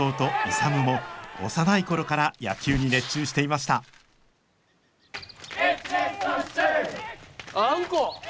勇も幼い頃から野球に熱中していましたあんこ。